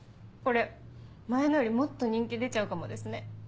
これ前のよりもっと人気出ちゃうかもですね。